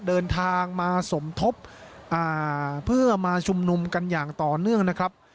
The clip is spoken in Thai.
เดินทางมาสมทบเพื่อมาชุมนุมกันอย่างต่อเนื่องนะครับ